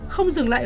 không dừng lại ở đó